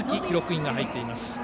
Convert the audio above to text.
記録員が入っています。